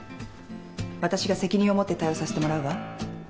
わたしが責任を持って対応させてもらうわ。